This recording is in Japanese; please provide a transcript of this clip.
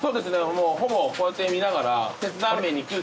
もうほぼこうやって見ながら。